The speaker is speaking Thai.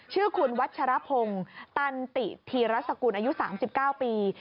ชื่อคุณวัชรพงศ์ตันติธีรสกุลอายุ๓๙ปี